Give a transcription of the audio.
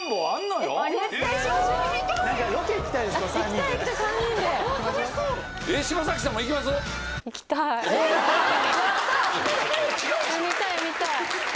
見たい見たい。